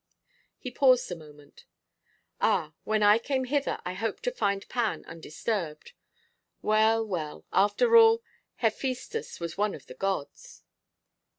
He paused a moment. 'Ah, when I came hither I hoped to find Pan undisturbed. Well, well, after all, Hephaestus was one of the gods.